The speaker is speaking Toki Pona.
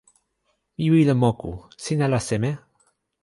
mi wile moku. sina la seme?